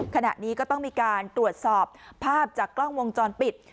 ขณะนี้ก็ต้องมีการตรวจสอบภาพจากกล้องวงจรปิด